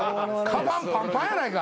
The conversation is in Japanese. かばんパンパンやないか。